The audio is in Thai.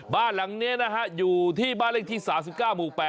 บ้านหลังนี้นะฮะอยู่ที่บ้านเลขที่๓๙หมู่๘